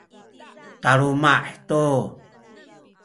taluma’ tu